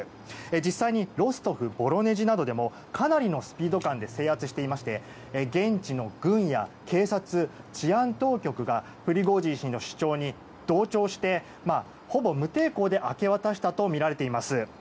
実際にロストフ、ボロネジなどでもかなりのスピード感で制圧していまして現地の軍や警察、治安当局がプリゴジン氏の主張に同調してほぼ無抵抗で明け渡したとみられています。